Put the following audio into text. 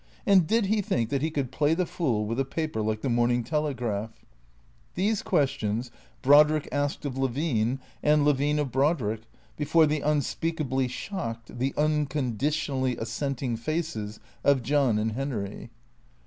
And did he think that he could play the fool with a paper like the " Morning Telegraph "? These questions Brodrick asked of Levine and Levine of Brod rick, before the unspeakably shocked, the unconditionally assent ing faces of John and Henry.